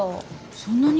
そんなに？